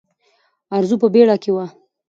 ارزو په بیړه کې وه.